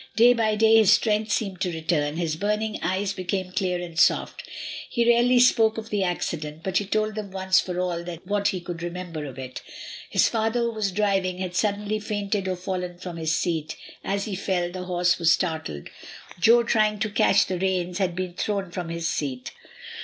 Day by day his strength seemed to return, his burning eyes became clear and soft. He rarely spoke of the accident; but he told them once for all what he could remember of it His father, who was driving, had suddenly fainted or fallen from his seat; as he fell, the horse was startled; Jo trying to catch the reins, had been thrown from his seat.